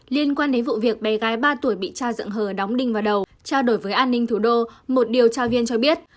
liên quan đến vụ việc bé gái ba tuổi bị cha dựng hờ đóng đinh vào đầu trao đổi với an ninh thủ đô một điều tra viên cho biết